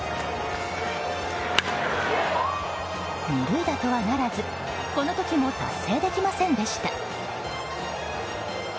二塁打とはならずこの時も達成できませんでした。